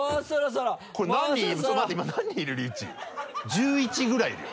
１１ぐらいだよ。